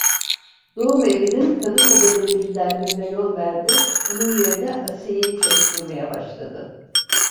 Doğumevinin kadın hademelerinden birine yol verdi, onun yerine Asiye'yi çalıştırmaya başladı.